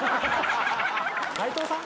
・斉藤さん？